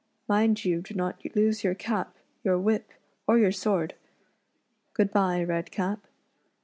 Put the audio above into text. Mind you do not lose your cap, your whip, or your sword. Good bye, Redcap."